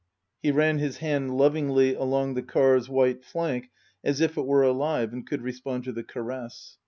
He ran his hand lovingly along the car's white flank as if it were alive and could respond to the caress.